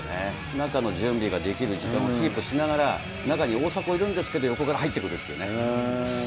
中の準備ができる時間をキープしながら、中に大迫いるんですけど、横から入ってくるというね。